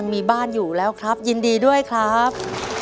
มีบ้านอยู่แล้วครับยินดีด้วยครับ